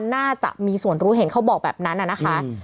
น่าจะมีส่วนรู้เห็นเขาบอกแบบนั้นนะคะ